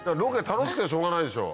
楽しくてしょうがないでしょ？